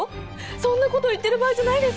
そんなこと言ってる場合じゃないですよ！